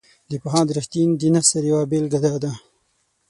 د پوهاند رښتین د نثر یوه بیلګه داده.